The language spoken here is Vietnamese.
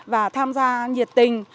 và tham gia nhiệt tình